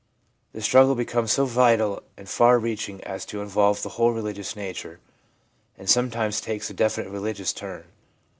The struggle becomes so vital and far reaching as to involve the whole religious nature, and sometimes takes a definitely religious turn.